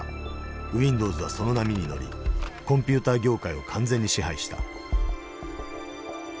ウィンドウズはその波に乗りコンピューター業界を完全に支配した。